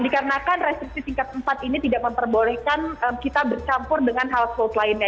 dikarenakan restriksi tingkat empat ini tidak memperbolehkan kita bercampur dengan household lainnya